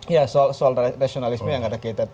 ya soal nasionalisme yang ada kaitan